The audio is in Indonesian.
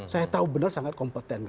saya tahu benar sangat kompeten